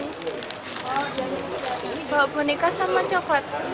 ini bawa boneka sama coklat